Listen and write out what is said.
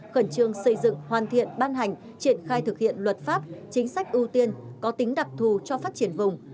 khẩn trương xây dựng hoàn thiện ban hành triển khai thực hiện luật pháp chính sách ưu tiên có tính đặc thù cho phát triển vùng